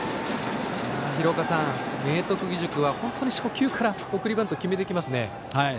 廣岡さん、明徳義塾は本当に初球から送りバントを決めてきますね。